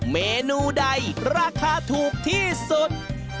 เมนูใดราคาถูกที่สุด